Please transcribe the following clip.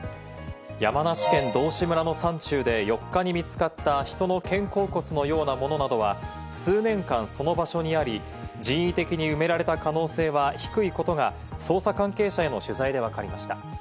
山梨県道志村の山中で４日に見つかった人の肩甲骨のようなものなどは数年間その場所にあり、人為的に埋められた可能性は低いことが捜査関係者への取材でわかりました。